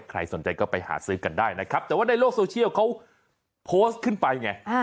ใครสนใจก็ไปหาซื้อกันได้นะครับแต่ว่าในโลกโซเชียลเขาโพสต์ขึ้นไปไง